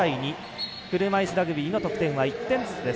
車いすラグビーの得点は１点ずつです。